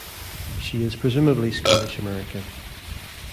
She is presumably Scottish American.